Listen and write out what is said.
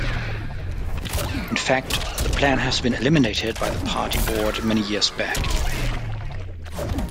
In fact, the plan has been eliminated by the party board many years back.